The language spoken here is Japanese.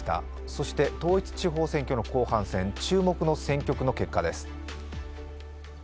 そして、統一地方選挙の後半戦、注目の選挙区の結果です。